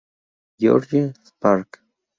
George’s Park.